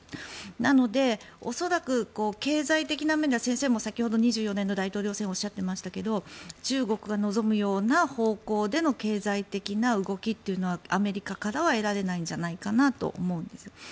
なので、恐らく経済的な面では先生も先ほど２０２４年の大統領選のことを言っていましたが中国が望むような方向での経済的な動きはアメリカからは得られないんじゃないかなと思うんです。